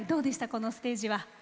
このステージは。